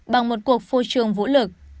bằng một cuộc phô trường vũ lực